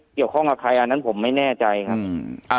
เกี่ยวข้องกับใครอันนั้นผมไม่แน่ใจครับ